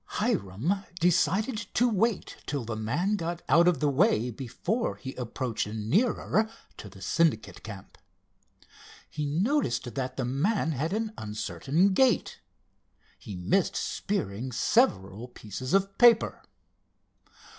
Hiram decided to wait till the man got out of the way before he approached nearer to the Syndicate camp. He noticed that the man had an uncertain gait. He missed spearing several pieces of paper.